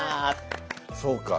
そうか。